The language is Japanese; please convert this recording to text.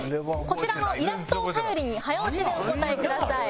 こちらのイラストを頼りに早押しでお答えください。